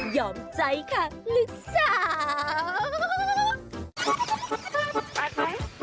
ยอมใจค่ะฤทธิ์สาว